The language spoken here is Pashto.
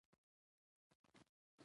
شاباش شاباش شاباش ستا په زلفو په كاكل